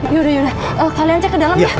yaudah yudah kalian cek ke dalam ya